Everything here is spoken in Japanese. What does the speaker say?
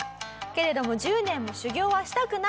けれども１０年も修業はしたくない。